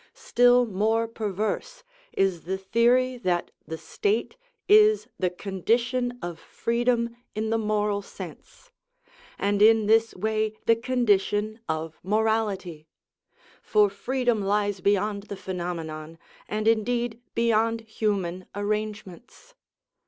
Still more perverse is the theory that the state is the condition of freedom in the moral sense, and in this way the condition of morality; for freedom lies beyond the phenomenon, and indeed beyond human arrangements.